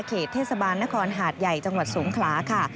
เขตเทศบาลนครหาดใหญ่จังหวัดสงขลาค่ะ